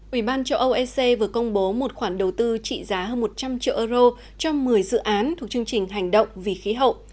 ủy ban châu âu ec vừa công bố một khoản đầu tư trị giá hơn một trăm linh triệu euro cho một mươi dự án thuộc chương trình hành động vì khí hậu